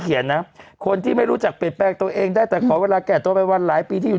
นะคนที่ไม่รู้จักเปลี่ยนแปลงตัวเองได้แต่ขอเวลาแก่ตัวไปวันหลายปีที่อยู่